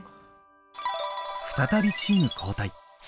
再びチーム交代。